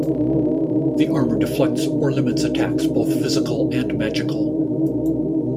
The armor deflects or limits attacks, both physical and magical.